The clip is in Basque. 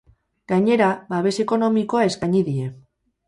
Gainera, babes ekonomikoa eskaini die.